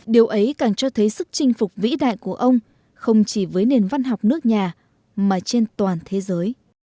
điều ấy càng cho thấy sức chinh phục vĩ đại của ông không chỉ với nền văn học nước nhà mà trên toàn thế giới